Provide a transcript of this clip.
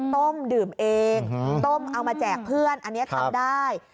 ต้มดื่มเองต้มเอามาแจกเพื่อนอันนี้ทำได้